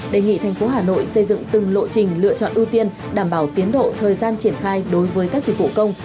đề nghị thành phố hà nội xây dựng từng lộ trình lựa chọn ưu tiên đảm bảo tiến độ thời gian triển khai đối với các dịch vụ công